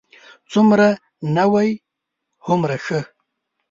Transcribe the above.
څومره نوی، هومره ښه.